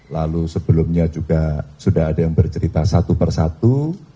lalu sebelumnya juga sudah ada yang bercerita satu persatu